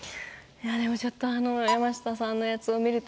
でもちょっとあの山下さんのやつを見ると。